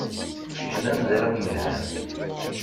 Kečč d amezraw yelhan.